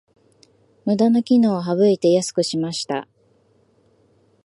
ムダな機能を省いて安くしました